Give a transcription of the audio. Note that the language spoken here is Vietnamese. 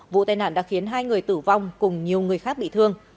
vụ tai nạn đã khiến hai người tử vong cùng nhiều người khác bị thương